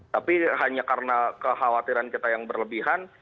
tapi hanya karena kekhawatiran kita yang berlebihan